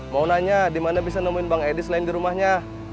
mau nanya di mana bisa nemuin bang edi selain di rumahnya